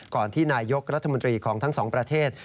ที่นายกรัฐมนตรีของทั้งสองประเทศ